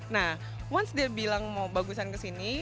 nah setelah dia bilang mau bagusan ke sini